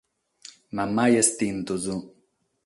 Ma mai estintos.